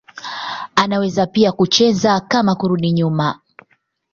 Anaweza pia kucheza kama kurudi nyuma.